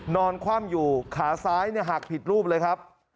คว่ำอยู่ขาซ้ายหักผิดรูปเลยครับ